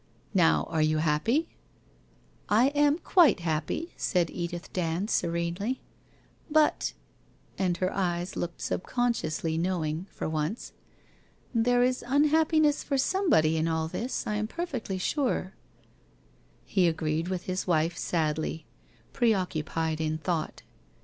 Now, are you happy ?' 'I am quite happy/ said Edith Dand serenely. * But ' And her eyes looked subconsciously knowing, for once. ' There is unhappiness for somebody in all this, I am perfectly sure/ He agreed with his wife sadly, preoccupied in thought.